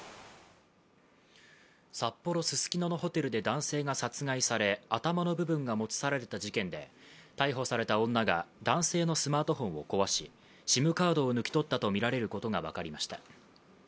札幌・ススキノのホテルで男性が殺害され頭の部分が持ち去られた事件で逮捕された女が男性のスマートフォンを壊しＳＩＭカードを抜き取ったとみられることが分かりました。